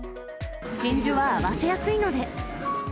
真珠は合わせやすいので。